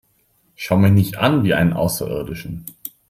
Schau mich nicht an wie einen Außerirdischen!